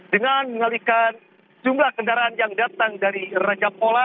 dengan mengalihkan jumlah kendaraan yang datang dari raja pola